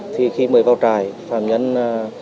khi mới vào trại phạm nhân chưa sẵn sàng